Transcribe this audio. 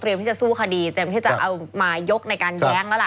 ที่จะสู้คดีเตรียมที่จะเอามายกในการแย้งแล้วล่ะ